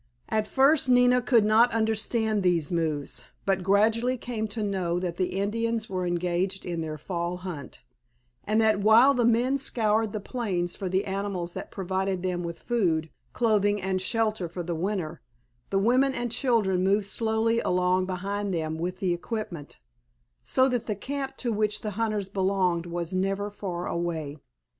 At first Nina could not understand these moves, but gradually came to know that the Indians were engaged in their fall hunt, and that while the men scoured the plains for the animals that provided them with food, clothing, and shelter for the winter, the women and children moved slowly along behind them with the equipment, so that the camp to which the hunters belonged was never far away.